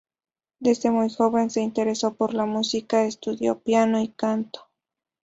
Desde muy joven se interesó por la música, estudió piano y canto.